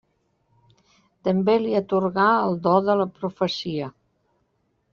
També li atorgà el do de la profecia.